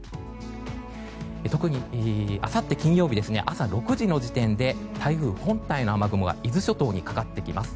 特に、あさって金曜日朝６時の時点で台風本体の雨雲が伊豆諸島にかかってきます。